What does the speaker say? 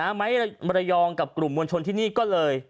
ไม้มรยองกับกลุ่มมวลชนที่นี่ก็เลย